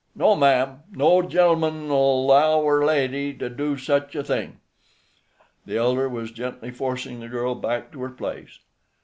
No, ma'am. No gen'l'man'll 'low er lady to do such a thing." The elder was gently forcing the girl back to her place.